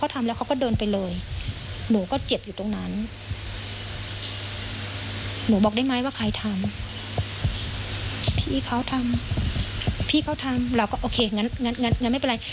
หลังจากแบบนี้